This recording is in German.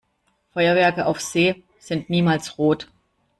Feuerwerke auf See sind niemals rot.